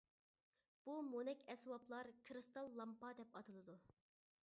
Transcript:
بۇ مونەك ئەسۋابلار كىرىستال لامپا دەپ ئاتىلىدۇ.